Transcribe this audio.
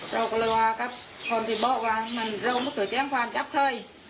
เราก็เลยว่ากับคนที่บอกว่ามันเราไม่เคยแจ้งความจับใคร